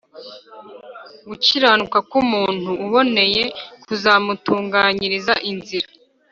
gukiranuka k’umuntu uboneye kuzamutunganyiriza inzira